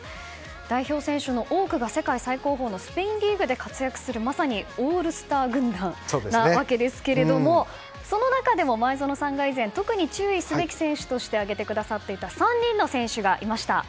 代表選手の多くが世界最高峰のスペインリーグで活躍するまさにオールスター軍団なわけですけどもその中でも、前園さんが以前、特に注意すべき選手として挙げてくださっていた３人の選手がいました。